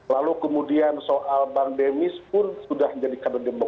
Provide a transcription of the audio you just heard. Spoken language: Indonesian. lalu kemudian soal bang dennis pun sudah menjadi kbd